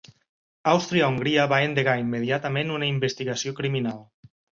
Àustria-Hongria va endegar immediatament una investigació criminal.